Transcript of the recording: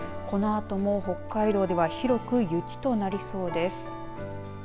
このあとも、北海道では広く雪となりそうです。